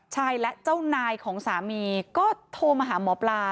และเจ้านายของสามีก็โทรมาหาหมอปลา